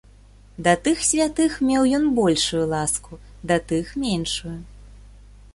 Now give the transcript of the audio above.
Да тых святых меў ён большую ласку, да тых меншую.